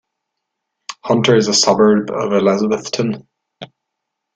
Hunter is a suburb of Elizabethton.